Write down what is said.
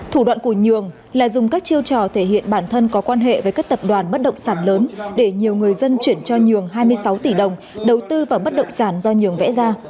thủ đoạn của nhường là dùng các chiêu trò thể hiện bản thân có quan hệ với các tập đoàn bất động sản lớn để nhiều người dân chuyển cho nhường hai mươi sáu tỷ đồng đầu tư vào bất động sản do nhường vẽ ra